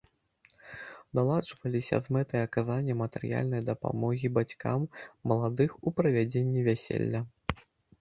Наладжваліся з мэтай аказання матэрыяльнай дапамогі бацькам маладых у правядзенні вяселля.